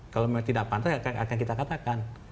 kalau memang tidak pantas akan kita katakan